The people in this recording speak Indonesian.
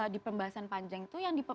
di pembahasan panjang itu yang